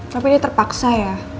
tapi dia terpaksa ya